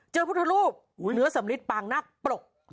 พุทธรูปเนื้อสำลิดปางนักปรก